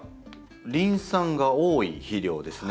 リン酸が多い肥料ですね。